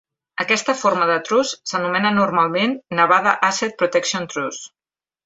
Aquesta forma de trust s'anomena normalment "Nevada Asset Protection Trust".